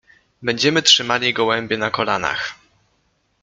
Będziemy trzymali gołębie na kolanach.